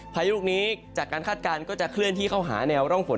พายุลูกนี้จากการคาดการณ์ก็จะเคลื่อนที่เข้าหาแนวร่องฝน